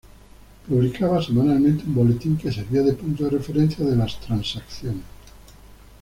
Publicaba semanalmente un boletín que servía de punto de referencia de las transacciones.